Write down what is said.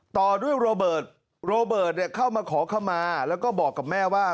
ต่อด้วยโรเบิร์ตโรเบิร์ตเข้ามาขอขมาแล้วก็บอกกับแม่ว่า